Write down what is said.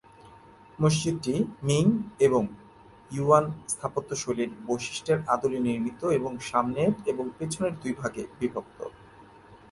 মসজিদটি মিং এবং ইউয়ান স্থাপত্য শৈলীর বৈশিষ্ট্যের আদলে নির্মিত এবং সামনের এবং পিছনের দুইভাগে বিভক্ত।